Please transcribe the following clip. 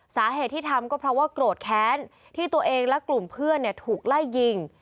สาเหตุที่ทำก็เพราะว่าโกรธแค้นที่ตัวเองและกลุ่มเพื่อนถูกไล่ยิง